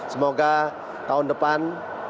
semoga tahun depan